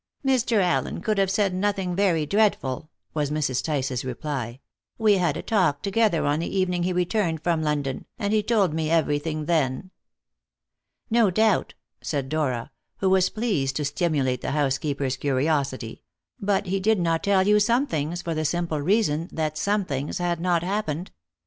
"Mr. Allen could have said nothing very dreadful," was Mrs. Tice's reply; "we had a talk together on the evening he returned from London, and he told me everything then." "No doubt," said Dora, who was pleased to stimulate the housekeeper's curiosity, "but he did not tell you some things, for the simple reason that 'some things' had not happened.